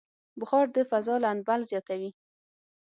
بخار د فضا لندبل زیاتوي.